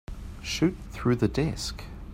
Shoot through the desk.